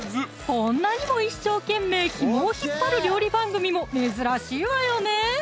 こんなにも一生懸命ひもを引っ張る料理番組も珍しいわよね